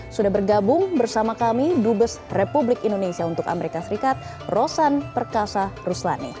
sudah bergabung bersama kami dubes republik indonesia untuk amerika serikat rosan perkasa ruslani